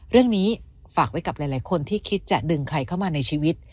เรื่องนี้ฝากไว้กับหลายคนที่คิดจะดึงใครเข้ามาในชีวิต